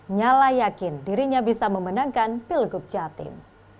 nyala yakin dirinya bisa memenangkan pilgub jatim